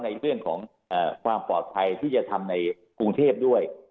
ในเรื่องของความปลอดภัยที่จะทำในกรุงเทพด้วย